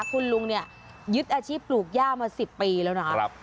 คุณลุงเนี่ยยึดอาชีพปลูกหญ้ามาสิบปีแล้วนะครับ